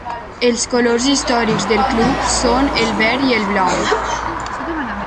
Els colors històrics del club són el verd i el blanc.